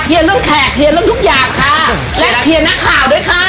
เคลียร์เรื่องแขกถึงทุกอย่างค่ะ